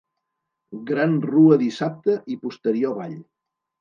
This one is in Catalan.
Gran rua dissabte i posterior ball.